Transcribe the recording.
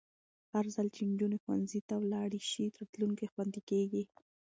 هرځل چې نجونې ښوونځي ته ولاړې شي، راتلونکی خوندي کېږي.